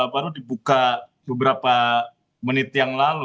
baru dibuka beberapa menit yang lalu